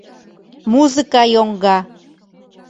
Музыка йоҥга.